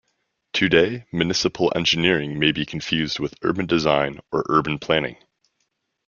Today, municipal engineering may be confused with urban design or urban planning.